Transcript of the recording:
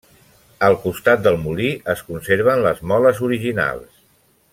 Al costat del molí es conserven les moles originals.